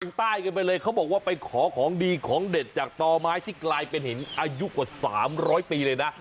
ใต้กันไปเลยเขาบอกว่าไปขอของดีของเด็ดจากต่อไม้ที่กลายเป็นหินอายุกว่า๓๐๐ปีเลยนะ